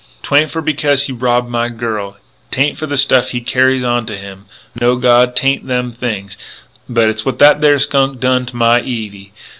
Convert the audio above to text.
'Tain't for because he robbed my girlie. 'Tain't for the stuff he carries onto him.... No, God, 'tain't them things. But it's what that there skunk done to my Evie....